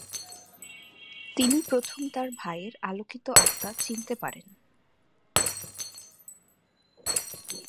তিনি প্রথম তার ভাইয়ের "আলোকিত আত্মা" চিনতে পারেন।